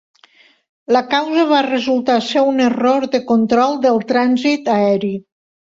La causa va resultar ser un error de control del trànsit aeri.